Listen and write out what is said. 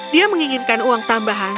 dia menginginkan uang tambahan